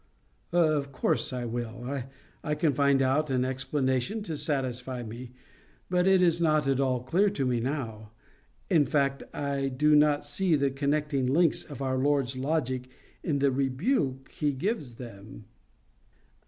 "Of course I will, if I can find out an explanation to satisfy me. But it is not at all clear to me now. In fact, I do not see the connecting links of our Lord's logic in the rebuke He gives them."